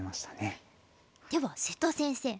では瀬戸先生